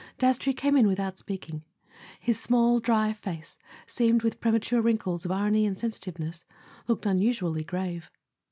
Dastrey came in without speak¬ ing : his small dry face, seamed with premature wrinkles of irony and sensitiveness, looked unusually grave.